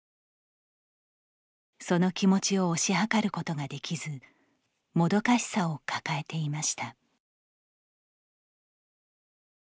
その気持ちを推し量ることができずもどかしさを抱えていました。